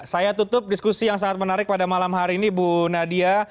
saya tutup diskusi yang sangat menarik pada malam hari ini bu nadia